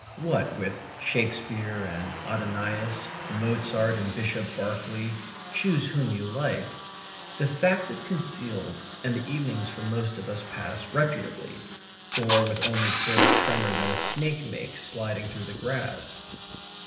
What with Shakespeare and Adonais, Mozart and Bishop Berkeley choose whom you like the fact is concealed and the evenings for most of us pass reputably, or with only the sort of tremor that a snake makes sliding through the grass.